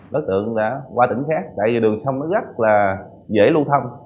đối tượng đã qua tỉnh khác tại vì đường sông nó rất là dễ lưu thông